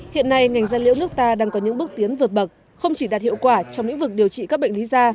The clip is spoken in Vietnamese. hiện nay ngành da liễu nước ta đang có những bước tiến vượt bậc không chỉ đạt hiệu quả trong lĩnh vực điều trị các bệnh lý da